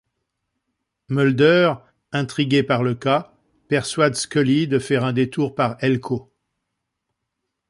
Mulder, intrigué par le cas, persuade Scully de faire un détour par Elko.